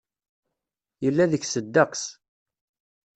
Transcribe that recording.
Yella deg-s ddeqs.